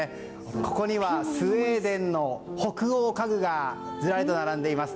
ここにはスウェーデンの北欧家具がずらりと並んでいます。